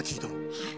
はい。